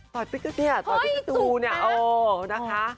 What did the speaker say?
ต่อยพิกาเนี่ยต่อยพิกาจูเนี่ยโอ้โหนะคะโฮ้ยจุ๊บนะ